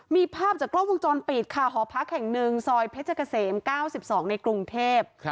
มีภาพจากกล้องวงจรปิดค่ะหอพักแห่งหนึ่งซอยเพชรเกษม๙๒ในกรุงเทพ